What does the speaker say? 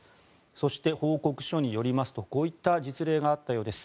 そして、報告書によりますとこういった実例があったようです。